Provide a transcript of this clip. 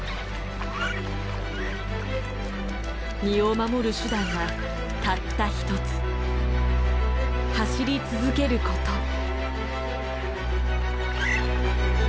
身を守る手段はたった一つ走り続けること。